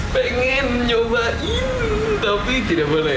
pengen nyobain tapi tidak boleh